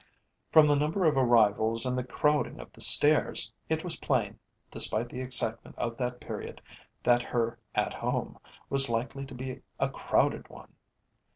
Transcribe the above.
From the number of arrivals and the crowding of the stairs, it was plain, despite the excitement of that period, that her "At Home" was likely to be a crowded one.